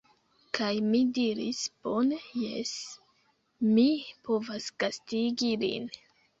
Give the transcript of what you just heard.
Kaj mi diris: "Bone. Jes, mi povas gastigi lin."